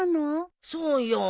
そうよ。